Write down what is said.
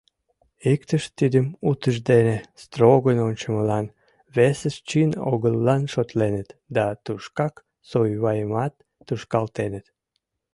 Иктышт тидым утыждене строгын ончымылан, весышт чын огыллан шотленыт да тушкак Сойваимат тушкалтеныт.